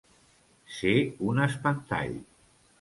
Ser un espantall.